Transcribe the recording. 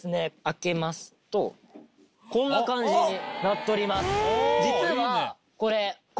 こんな感じになっとります。